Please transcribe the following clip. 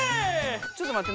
ちょっとまって。